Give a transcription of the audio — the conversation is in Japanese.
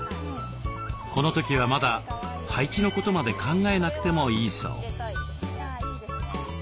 この時はまだ配置のことまで考えなくてもいいそう。